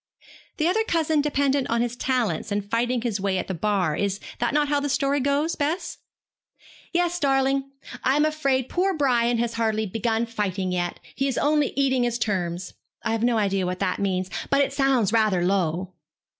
'The other cousin dependent on his talents, and fighting his way at the Bar. Is not that how the story goes, Bess?' 'Yes, darling. I am afraid poor Brian has hardly begun fighting yet. He is only eating his terms. I have no idea what that means, but it sounds rather low.'